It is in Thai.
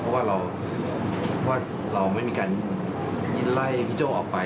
เพราะว่าเราว่าเราไม่มีการไล่พี่โจ้ออกไป